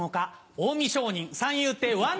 近江商人三遊亭わん